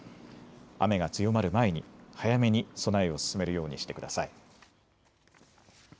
雨が強まる前に、早めに備えを進めるようにしてください。